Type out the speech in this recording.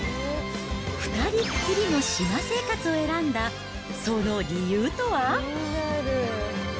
２人っきりの島生活を選んだその理由とは？